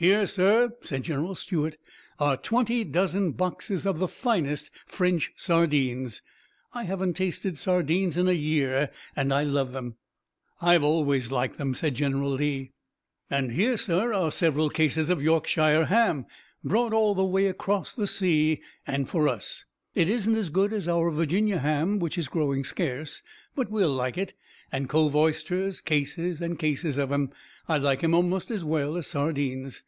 "Here, sir," said General Stuart, "are twenty dozen boxes of the finest French sardines. I haven't tasted sardines in a year and I love them." "I've always liked them," said General Lee. "And here, sir, are several cases of Yorkshire ham, brought all the way across the sea and for us. It isn't as good as our Virginia ham, which is growing scarce, but we'll like it. And cove oysters, cases and cases of 'em. I like 'em almost as well as sardines."